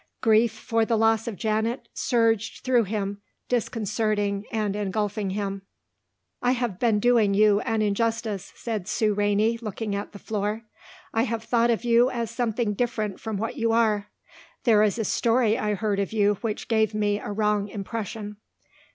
Grief for the loss of Janet surged through him disconcerting and engulfing him. "I have been doing you an injustice," said Sue Rainey, looking at the floor. "I have thought of you as something different from what you are. There is a story I heard of you which gave me a wrong impression."